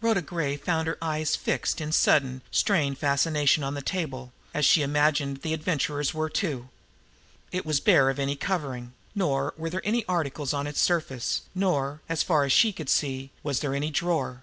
Rhoda Gray found her eyes fixed in sudden, strained fascination on the table as, she imagined, the Adventurer's were too. It was bare of any covering, nor were there any articles on its surface, nor, as far as she could see, was there any drawer.